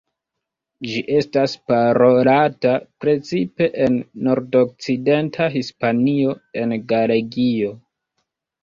Ĝi estas parolata precipe en nordokcidenta Hispanio en Galegio.